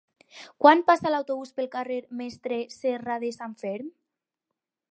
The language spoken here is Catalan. Quan passa l'autobús pel carrer Mestre Serradesanferm?